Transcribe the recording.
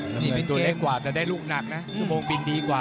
น้ำเงินตัวเล็กกว่าแต่ได้ลูกหนักนะชั่วโมงบินดีกว่า